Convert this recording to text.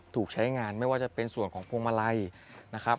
ถูกใช้งานไม่ว่าจะเป็นส่วนของพวงมาลัยนะครับ